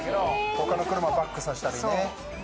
他の車をバックさせたりね。